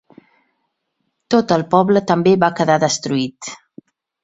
Tot el poble també va quedar destruït.